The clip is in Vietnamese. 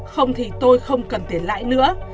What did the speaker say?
không thì tôi không cần tiền lãi nữa